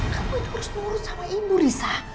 kamu itu harus nurut sama ibu nisa